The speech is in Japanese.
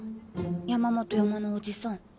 山本山のオジさん。